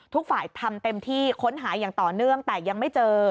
ทุกฝ่ายทำเต็มที่ค้นหาอย่างต่อเนื่องแต่ยังไม่เจอ